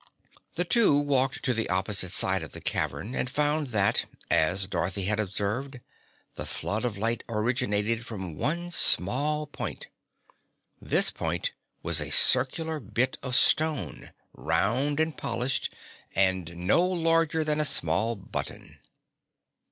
The two walked to the opposite side of the cavern and found that, as Dorothy had observed, the flood of light originated from one small point. This point was a circular bit of stone, round and polished, and no larger than a small button.